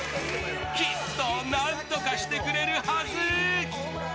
きっと何とかしてくれるはず。